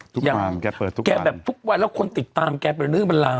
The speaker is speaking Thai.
ทุกอย่างแกเปิดตัวแกแบบทุกวันแล้วคนติดตามแกเป็นเรื่องเป็นราว